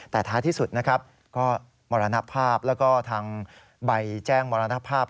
แต่ท้ายที่สุดนะครับก็มรณภาพแล้วก็ทางใบแจ้งมรณภาพ